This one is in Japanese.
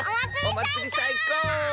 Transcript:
おまつりさいこう！